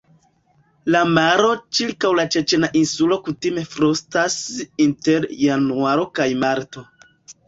La maro ĉirkaŭ la Ĉeĉena Insulo kutime frostas inter Januaro kaj Marto.